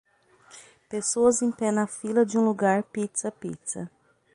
Pessoas em pé na fila de um lugar Pizza Pizza.